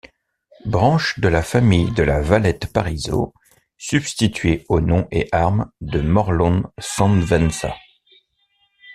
Branche de la famille de La Valette-Parisot, substituée aux noms et armes de Morlhon-Sanvensa.